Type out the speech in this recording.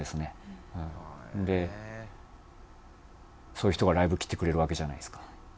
そういう人がライブ来てくれるわけじゃないですか。